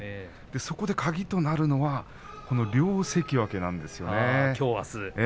そこで鍵となるのは両関脇なんですよね。